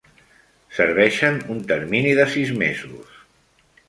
Serveixen un termini de sis mesos.